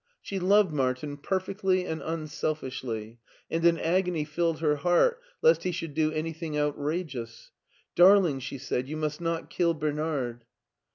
She loved Martin perfectly and unselfishly, and an agony filled her heart lest he should do anything out rageous. " Darling," she said, " you must not kill Bernard."